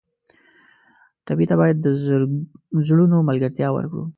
ټپي ته باید د زړونو ملګرتیا ورکړو.